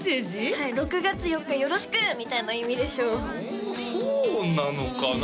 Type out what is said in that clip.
はい６月４日よろしく！みたいな意味でしょうそうなのかな？